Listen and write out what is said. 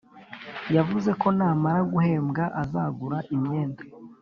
yavuze ko namara guhembwa azagura imyenda